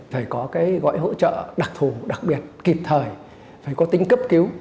phải có cái gọi hỗ trợ đặc thù đặc biệt kịp thời phải có tính cấp cứu